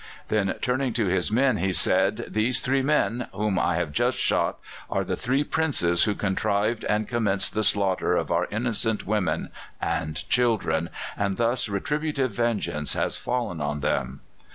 Then, turning to his men, he said: "These three men whom I have just shot are the three Princes who contrived and commenced the slaughter of our innocent women and children, and thus retributive vengeance has fallen on them."